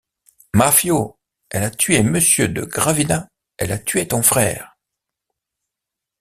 Maffio! elle a tué monsieur de Gravina, elle a tué ton frère !